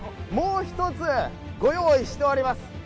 もう一つ御用意しております。